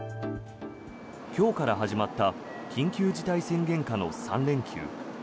今日から始まった緊急事態宣言下の３連休。